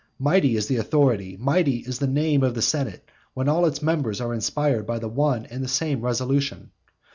Mighty is the authority, mighty is the name of the senate when all its members are inspired by one and the same resolution.